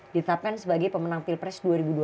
ditapkan sebagai pemenang pilpres dua ribu dua puluh empat